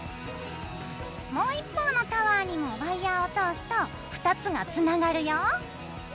もう一方のタワーにもワイヤーを通すと２つがつながるよ。